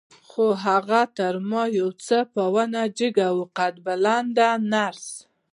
خو هغه تر ما یو څه په ونه جګه وه، قد بلنده نرس.